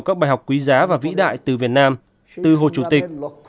các bài học quý giá và vĩ đại từ việt nam từ hồ chủ tịch